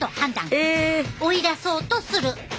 追い出そうとする！